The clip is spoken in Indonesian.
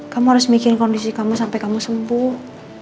kamu harus mikir kondisi kamu sampai kamu sembuh